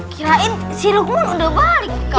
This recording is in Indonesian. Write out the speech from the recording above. kirain si lukman udah balik ke kamar